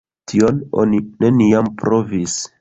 Tion oni neniam provis.